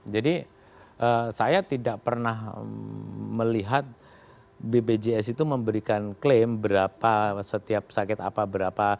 jadi saya tidak pernah melihat bpjs itu memberikan klaim berapa setiap sakit apa berapa